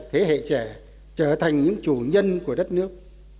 thế hệ trẻ trở thành những chủ nhân của đất nước